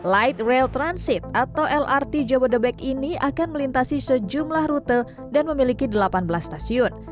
light rail transit atau lrt jabodebek ini akan melintasi sejumlah rute dan memiliki delapan belas stasiun